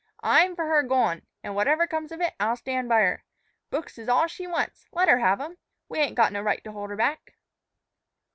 "I'm for her goin'; an', whatever comes of it, I'll stand by her. Books is all she wants let her have 'em. We ain't got no right to hold her back."